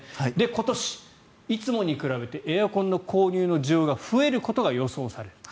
今年、いつもに比べてエアコンの購入の需要が増えることが予想される。